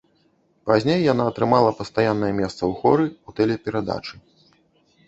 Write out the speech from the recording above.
Пазней яна атрымала пастаяннае месца ў хоры у тэлеперадачы.